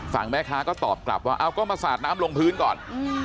แม่ค้าก็ตอบกลับว่าเอาก็มาสาดน้ำลงพื้นก่อน